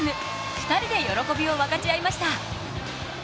２人で喜びを分かち合いました。